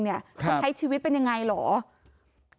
เขาใช้ชีวิตเป็นอย่างไรหรือ